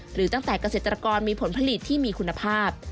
หรือตั้งแต่เกษตรกรมีผลผลิตที่มีคุณภาพ